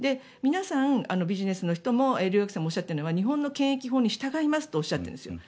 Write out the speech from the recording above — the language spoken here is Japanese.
皆さん、ビジネスの人も留学生もおっしゃっているのは日本の検疫法に従いますとおっしゃっているんです。